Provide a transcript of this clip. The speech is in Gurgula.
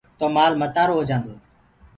تو مآل متآرو هو جآندو هي۔